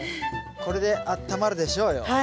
これであったまるでしょうよ。